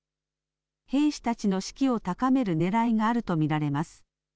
兵士たちの士気を高めるねらいがあると見られます。